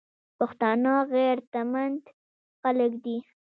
پښتانه غیرتمن خلک دي.